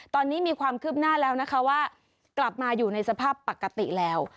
ตอนนี้มีความคืบหน้าแล้วนะคะว่ากลับมาอยู่ในสภาพปกติแล้ว